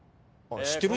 知ってる？